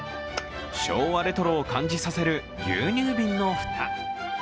昭和レトロを感じさせる牛乳瓶の蓋。